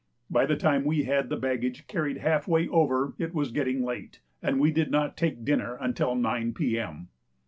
By the time we had the baggage carried half way over it was getting late, and we did not take dinner until 9 P.M.